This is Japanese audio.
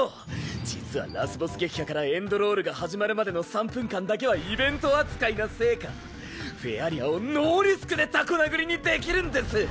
実はラスボス撃破からエンドロールが始まるまでの３分間だけはイベント扱いなせいかフェアリアをノーリスクでタコ殴りにできるんです。